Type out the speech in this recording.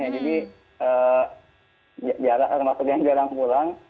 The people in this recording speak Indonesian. jadi jarak maksudnya jarang pulang